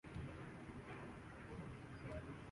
FIFA World Cup France کے ہاتھوں Argentina knock out